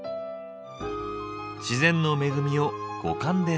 自然の恵みを五感で味わう。